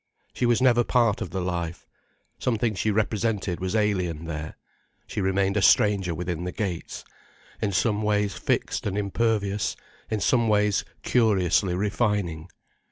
She was never part of the life. Something she represented was alien there, she remained a stranger within the gates, in some ways fixed and impervious, in some ways curiously refining.